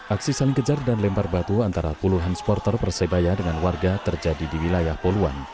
aksi saling kejar dan lempar batu antara puluhan supporter persebaya dengan warga terjadi di wilayah poluan